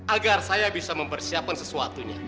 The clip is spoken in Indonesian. agar saya bisa mempersiapkan sesuatunya